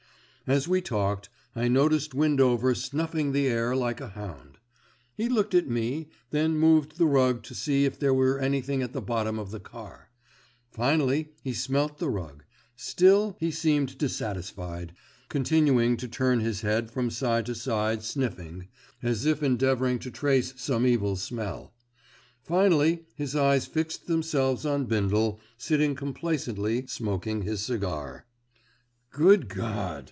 As we talked I noticed Windover snuffing the air like a hound. He looked at me, then moved the rug to see if there were anything at the bottom of the car. Finally he smelt the rug, still he seemed dissatisfied, continuing to turn his head from side to side sniffing, as if endeavouring to trace some evil smell. Finally his eyes fixed themselves on Bindle sitting complacently smoking his cigar. "Good God!"